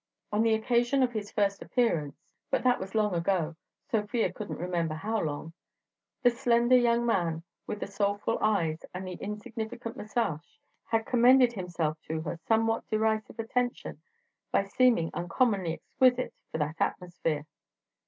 On the occasion of his first appearance (but that was long ago, Sofia couldn't remember how long) the slender young man with the soulful eyes and the insignificant moustache had commended himself to her somewhat derisive attention by seeming uncommonly exquisite for that atmosphere.